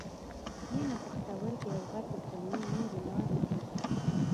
ینه، پښتورګي او غټې کولمې نورې لارې دي.